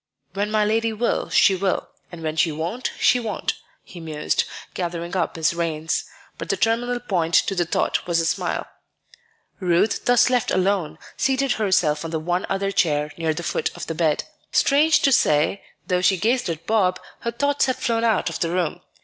"When my lady will, she will; and when she won't, she won't," he mused, gathering up his reins. But the terminal point to the thought was a smile. Ruth, thus left alone, seated herself on the one other chair near the foot of the bed. Strange to say, though she gazed at Bob, her thoughts had flown out of the room.